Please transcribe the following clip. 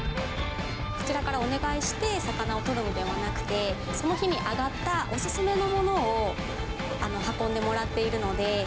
こちらからお願いして、魚を取るのではなくて、その日に揚がったお勧めのものを運んでもらっているので。